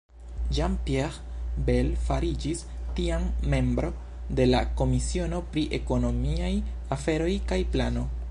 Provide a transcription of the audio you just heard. Jean-Pierre Bel fariĝis tiam membro de la komisiono pri ekonomiaj aferoj kaj plano.